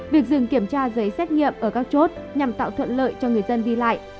việc dừng kiểm tra giấy xét nghiệm ở các chốt nhằm tạo thuận lợi cho người dân đi lại